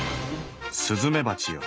スズメバチよ。